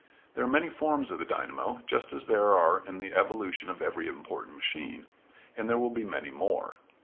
There are many forms of the dynamo, just as there are in the evolution of every important machine, and there will be many more.